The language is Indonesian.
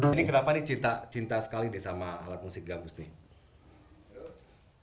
ini kenapa nih cinta sekali deh sama alat musik gabus nih